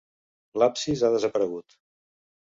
L'absis ha desaparegut.